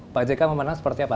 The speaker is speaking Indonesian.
pak ck mau menang seperti apa